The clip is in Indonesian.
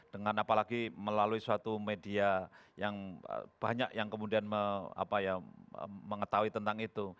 dengan apalagi melalui suatu media yang banyak yang kemudian mengetahui tentang itu